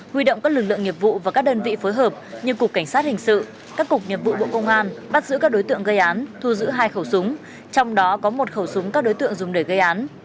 huy động các lực lượng nghiệp vụ và các đơn vị phối hợp như cục cảnh sát hình sự các cục nghiệp vụ bộ công an bắt giữ các đối tượng gây án thu giữ hai khẩu súng trong đó có một khẩu súng các đối tượng dùng để gây án